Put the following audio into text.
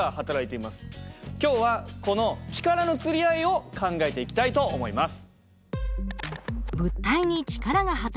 今日はこの力のつり合いを考えていきたいと思います。